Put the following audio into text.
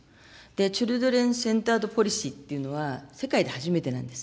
チルドレンセンタードポリシーというのは、世界で初めてなんです。